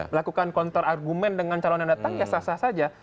melakukan counter argumen dengan calon yang datang ya sah sah saja